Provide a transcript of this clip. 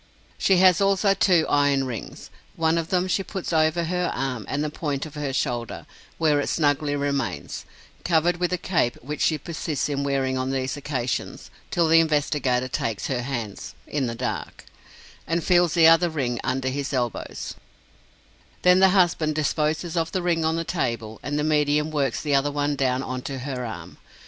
She has also two iron rings. One of them she puts over her arm and the point of her shoulder, where it snugly remains, covered with a cape which she persists in wearing on these occasions, till the investigator takes her hands (in the dark) and feels the other ring under his elbows; then the husband disposes of the ring on the table, and the medium works the other one down on to her arm.